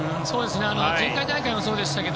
前回大会もそうでしたが